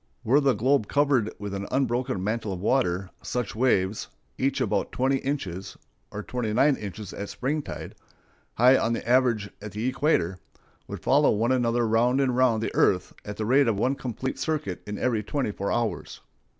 Were the globe covered with an unbroken mantle of water, such waves, each about twenty inches (or twenty nine inches at springtide) high on the average at the equator, would follow one another round and round the earth at the rate of one complete circuit in every twenty four hours.